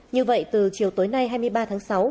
như vậy từ chiều tối nay hai mươi ba tháng sáu